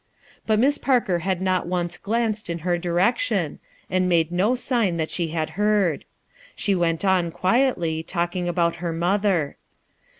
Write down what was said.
But Miss Parker had not once glanced in her direction, and made no sign that she had heard. She went on, quietly, talking about her brother.